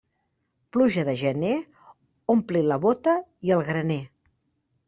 Pluja de gener ompli la bóta i el graner.